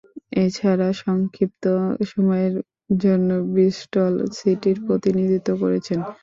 এছাড়াও, সংক্ষিপ্ত সময়ের জন্য ব্রিস্টল সিটির প্রতিনিধিত্ব করেছেন।